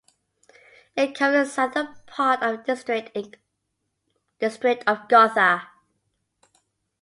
It covers the southern part of the district of Gotha.